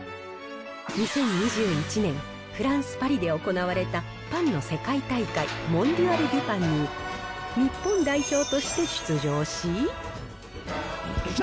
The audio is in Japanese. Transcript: ２０２１年、フランス・パリで行われたパンの世界大会、モンディアル・デュ・パンに日本代表として出場し。